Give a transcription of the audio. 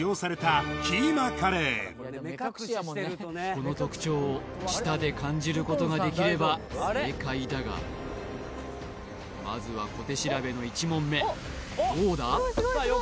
この特徴を舌で感じることができれば正解だがまずは小手調べの１問目どうだ？